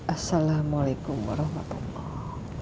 assalamualaikum warahmatullahi wabarakatuh